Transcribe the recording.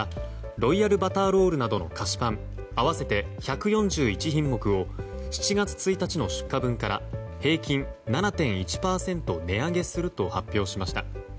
ロイヤルバターロールなどの菓子パン合わせて１４１品目を７月１日の出荷分から平均７．１％値上げすると発表しました。